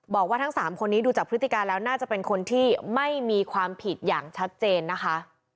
บอกว่าทั้ง๓คนนี้ดูจากพฤติการแล้วน่าจะเป็นคนที่ไม่มีความผิดอย่างชัดเจนนะคะ